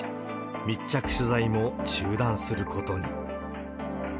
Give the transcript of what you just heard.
密着取材も中断することに。